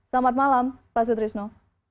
selamat malam pak sutrisno